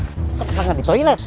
kau pernah di toilet